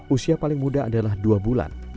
usia paling muda adalah dua bulan